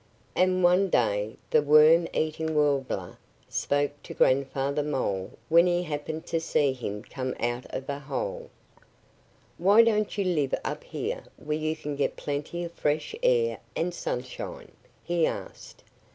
And one day the Worm eating Warbler spoke to Grandfather Mole when he happened to see him come out of a hole. "Why don't you live up here where you can get plenty of fresh air and sunshine?" he asked.